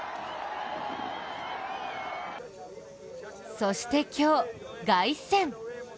そして今日、凱旋。